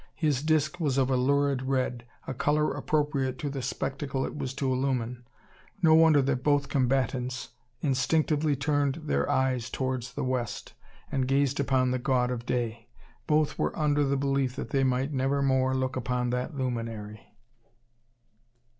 His disc was of a lurid red, a colour appropriate to the spectacle it was to illumine. No wonder that both combatants instinctively turned their eyes towards the west, and gazed upon the god of day. Both were under the belief they might never more look upon that luminary!